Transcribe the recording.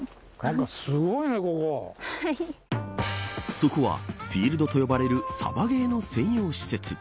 そこは、フィールドと呼ばれるサバゲーの専用施設。